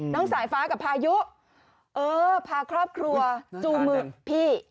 สายฟ้ากับพายุเออพาครอบครัวจูงมือพี่